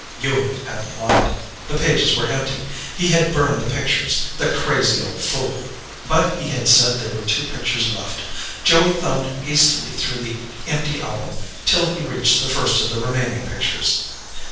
Ewing hadn't lied. The pages were empty. He had burned the pictures. The crazy old fool! But he had said there were two pictures left. Joey thumbed hastily through the empty album till he reached the first of the remaining pictures.